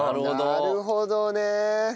なるほどね。